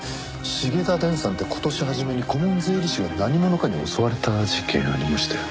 繁田電産って今年初めに顧問税理士が何者かに襲われた事件ありましたよね。